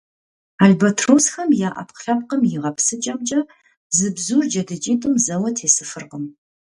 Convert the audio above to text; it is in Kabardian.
Албатросхэм я Ӏэпкълъэпкъым и гъэпсыкӀэмкӀэ, зы бзур джэдыкӀитӀым зэуэ тесыфыркъым.